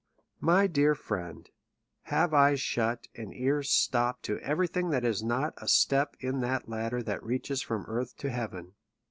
j\iy dear friend, have eyes shut and ears stopped to every thing that is not a step in that ladder that reaches from earth to heaven.